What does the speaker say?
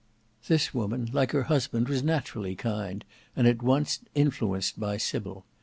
This woman, like her husband, was naturally kind, and at once influenced by Sybil.